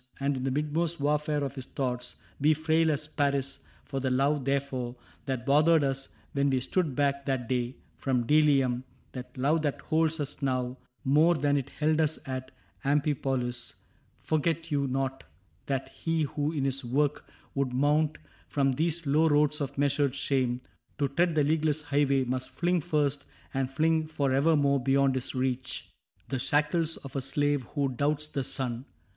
And in the midmost warfare of his thoughts Be frail as Paris ..• For the love, therefore. That brothered us when we stood back that day From Delium — the love that holds us now More than it held us at Amphipolis — Forget you not that he who in his work Would mount from these low roads of measured shame To tread the leagueless highway must fling first And fling forevermore beyond his reach 8o CAPTAIN CRAIG The shackles of a slave who doubts the sun.